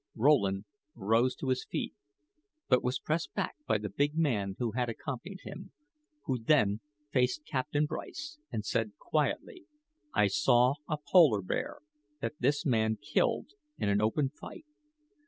Rowland rose to his feet, but was pressed back by the big man who had accompanied him who then faced Captain Bryce and said, quietly: "I saw a polar bear that this man killed in open fight.